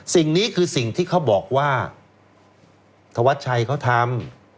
สิ่งนี้คือสิ่งที่เขาบอกว่าธวัชชัยเขาทำ